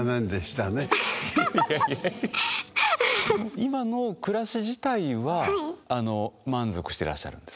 今の暮らし自体は満足してらっしゃるんです？